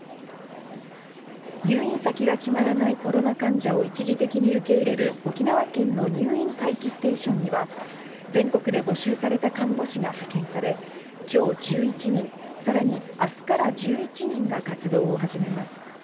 入院先が決まらないコロナ患者を一時的に受け入れる、沖縄県の入院待機ステーションには、全国で募集された看護師が派遣され、きょう１１人、さらにあすから１１人が活動を始めます。